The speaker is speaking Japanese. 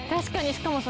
しかもさ